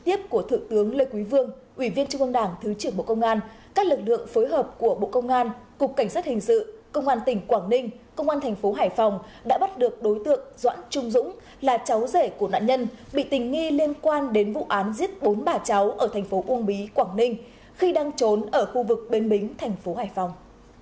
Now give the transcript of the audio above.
tiếp của thượng tướng lê quý vương ủy viên trung ương đảng thứ trưởng bộ công an các lực lượng phối hợp của bộ công an cục cảnh sát hình sự công an tỉnh quảng ninh công an thành phố hải phòng đã bắt được đối tượng doãn trung dũng là cháu rể của nạn nhân bị tình nghi liên quan đến vụ án giết bốn bà cháu ở thành phố uông bí quảng ninh khi đang trốn ở khu vực bến bính thành phố hải phòng